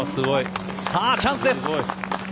さあ、チャンスです！